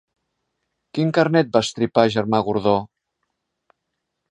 Quin carnet va estripar Germà Gordó?